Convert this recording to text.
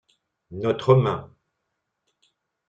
Notre main.